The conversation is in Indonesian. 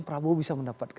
pak prabowo bisa mendapatkan